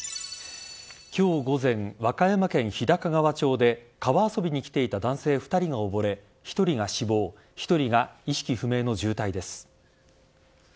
今日午前、和歌山県日高川町で川遊びに来ていた男性２人が溺れ１人が死亡１人が意識不明の重体です。